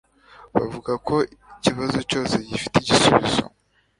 Bavuga ko ikibazo cyose gifite igisubizo